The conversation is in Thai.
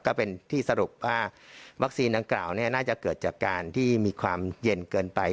ก็เป็นที่สรุปว่าวัคซีนดังกล่าวน่าจะเกิดจากการที่มีความเย็นเกินไป